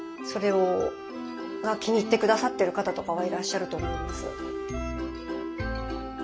それが気に入って下さってる方とかはいらっしゃると思います。